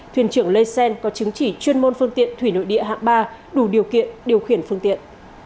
thuyền trưởng lê xen có chứng chỉ chuyên môn phương tiện thủy nội địa hạng ba đủ điều kiện điều khiển phương tiện